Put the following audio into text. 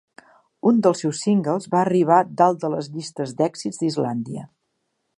Un dels seus singles va arribar dalt de les llistes d'èxits d'Islàndia.